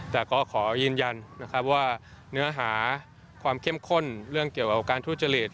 แต่ก็ขอยืนยันนะครับว่าเนื้อหาความเข้มข้นเรื่องเกี่ยวกับการทุจริต